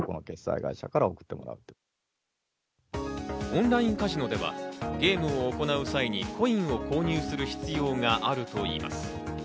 オンラインカジノでは、ゲームを行う際にコインを購入する必要があるといいます。